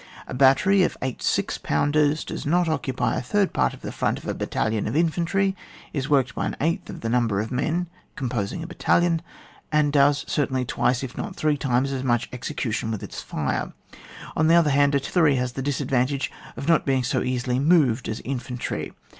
A battery of eight six pounders does not occupy a third ' part of the front of a battaUon of infantry, is worked by an eighth of the number of men com posing a battalion, and does certainly twice, if not three times, as much exe cution with its flre. On the other hand, artillery has the disadvantage of not being so easily moved as infantry.